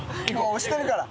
押してるから。